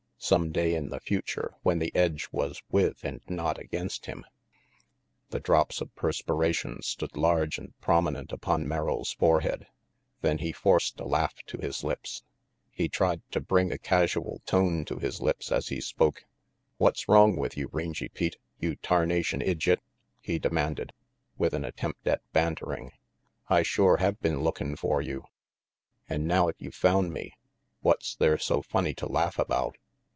Some day in the future when the edge was with and not against him. The drops of perspiration stood large and prom inent upon Merrill's forehead. Then he forced a laugh to his lips. He tried to bring a casual tone to his lips as he spoke. "What's wrong with you, Rangy Pete, you tarna tion idjiot?" he demanded, with an attempt at bantering. "I shore have been lookin' for you "An' now't you found me, what's there so funny to laugh about?"